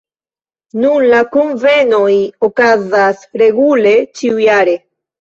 Nun la kunvenoj okazas regule ĉiujare.